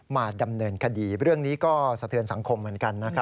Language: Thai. มาดำเนินคดีเรื่องนี้ก็สะเทือนสังคมเหมือนกันนะครับ